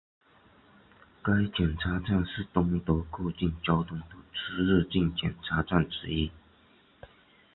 该检查站是东德过境交通的出入境检查站之一。